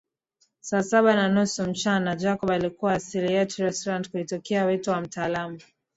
Saa saba na nusu mchana Jacob alikuwa asili yetu restaurant kuitikia wito wa mtaalamu